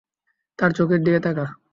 তার চোখের দিকে তাকা।